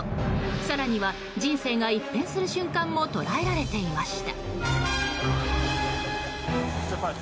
更には人生が一変する瞬間も捉えられていました。